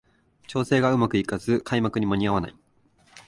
調整がうまくいかず開幕に間に合わない